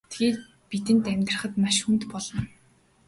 Тэгээд бидэнд амьдрахад маш хүнд болно.